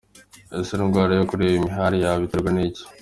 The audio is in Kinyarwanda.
Ese indwara yo kureba imirari yaba iterwa n’iki?.